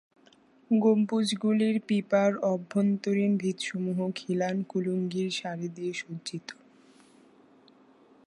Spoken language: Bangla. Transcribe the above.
গম্বুজগুলির পিপার অভ্যন্তরীণ ভিতসমূহ খিলান কুলুঙ্গির সারি দিয়ে সজ্জিত।